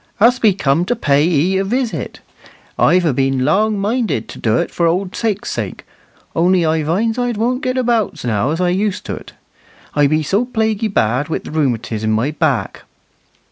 "Us be cum to pay 'ee a visit. I've a been long minded to do't for old sake's sake, only I vinds I dwon't get about now as I'd used to't. I be so plaguy bad wi' th' rheumatiz in my back."